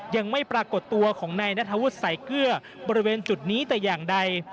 ยังไม่ปรากฏตัวของนายนัทวุฒิสายเกลือบริเวณจุดนี้แต่อย่างใด